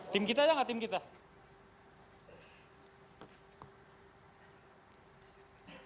tim kita atau tidak tim kita